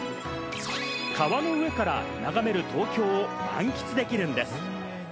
川の上から眺める東京を満喫できるんです。